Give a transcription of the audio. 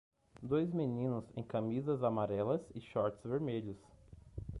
Dois meninos em camisas amarelas e shorts vermelhos.